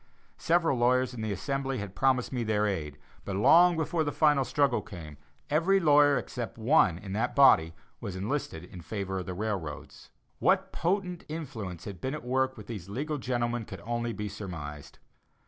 Several lawyers in the Assembly had promised me their aid, but long before the final struggle came, every lawyer except one in that body was enlisted in favor of the railroads! What potent influence had been at work with these legal gentlemen could only be surmised.